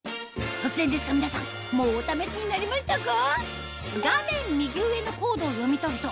突然ですが皆さんもうお試しになりましたか？